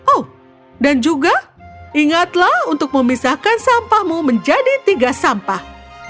oh dan juga ingatlah untuk memisahkan sampahmu menjadi tiga sampah